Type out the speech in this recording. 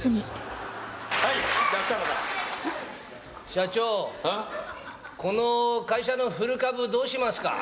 社長、この会社の古株をどうしますか？